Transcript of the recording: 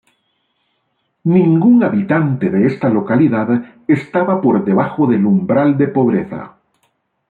Ningún habitante de esta localidad estaba por debajo del umbral de pobreza.